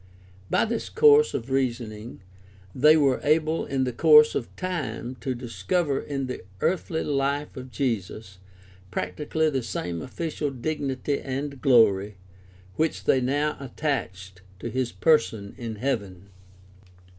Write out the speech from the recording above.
By this course of reasoning tTiey were able in the course of time to discover in the earthly Hfe of Jesus practically the same official dignity and glory which they now attached to his person in heaven.